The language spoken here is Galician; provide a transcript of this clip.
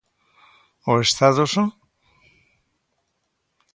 ¿O Estado só?